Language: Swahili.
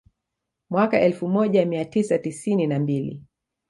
Mwaka elfu moja mia tisa tisini na mbili